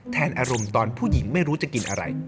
อารมณ์ตอนผู้หญิงไม่รู้จะกินอะไร